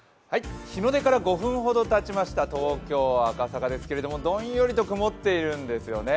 日の出から５分ほどたちました東京・赤坂ですけれども、どんよりと曇っているんですよね。